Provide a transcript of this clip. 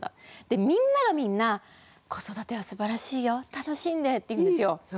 みんながみんな「子育てはすばらしいよ楽しんで」って言うんですよ。